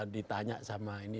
ditanya sama ini